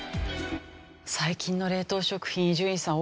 最近の冷凍食品伊集院さん